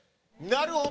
なるほど！